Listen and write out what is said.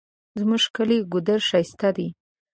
زمونږ کلی ګودر ښایسته ده